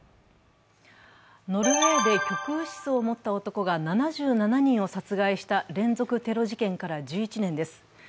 ノルウェーで極右思想を持った男が７７人を殺害した連続テロ事件から１１年です。